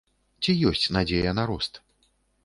Ці ёсць надзея на рост?